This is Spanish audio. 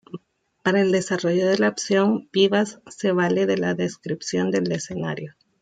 Para el desarrollo de la acción Vivas se vale de la descripción del escenario.